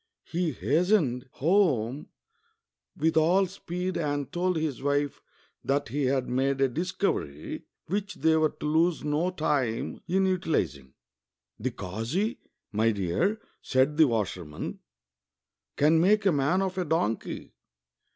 He hastened home with all speed and told his wife that he had made a discover}' which they were to lose no time in utilizing. '' The kazi, my dear," said the washerman, " can make a man of a donkey.